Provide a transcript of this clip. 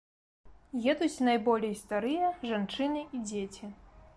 Едуць найболей старыя, жанчыны і дзеці.